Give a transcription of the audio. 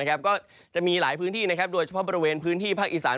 ก็จะมีหลายพื้นที่โดยเฉพาะบริเวณพื้นที่ภาคอีสาน